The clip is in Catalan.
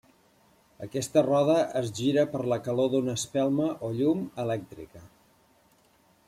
Aquesta roda es gira per la calor d'una espelma o llum elèctrica.